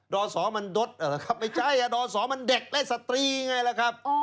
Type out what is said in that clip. ดศมันดดไม่ใช่อ่ะดศมันเด็กและสตรีไงล่ะครับ